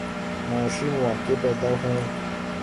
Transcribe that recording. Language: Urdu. معاشی مواقع پیدا ہوں۔